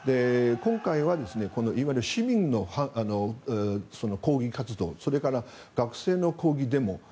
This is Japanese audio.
今回は、いわゆる市民の抗議活動それから学生の抗議デモ